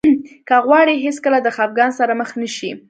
که غواړئ هېڅکله د خفګان سره مخ نه شئ.